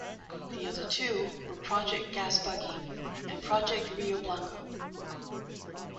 The other two were Project Gasbuggy and Project Rio Blanco.